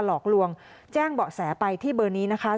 หลอกลวงแจ้งเบาะแสไปที่เบอร์นี้นะคะ